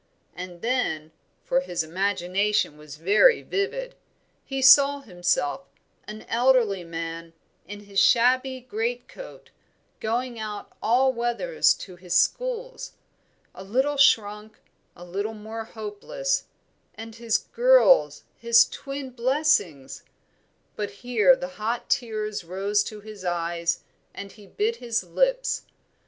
And then for his imagination was very vivid he saw himself, an elderly man, in his shabby great coat, going out all weathers to his schools a little shrunk, a little more hopeless, and his girls, his twin blessings but here the hot tears rose to his eyes, and he bit his lips.